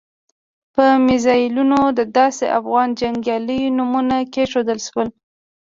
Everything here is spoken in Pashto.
په میزایلونو د داسې افغان جنګیالیو نومونه کېښودل شول.